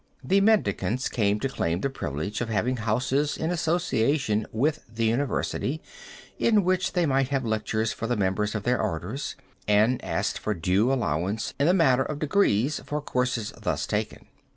The mendicants came to claim the privilege of having houses in association with the university in which they might have lectures for the members of their orders, and asked for due allowance in the matter of degrees for courses thus taken.